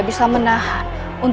bukan sejenak atau dua jenak